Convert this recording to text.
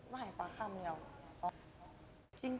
ว่าให้เขาค่ำเดี๋ยวสองละ